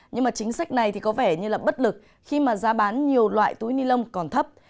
nhưng chính sách này có vẻ như bất lực khi mà giá bán nhiều loại túi ni lông còn thấp